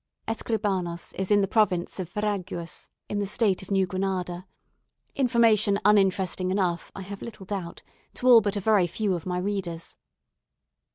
Escribanos is in the province of Veraguas, in the State of New Granada information uninteresting enough, I have little doubt, to all but a very few of my readers.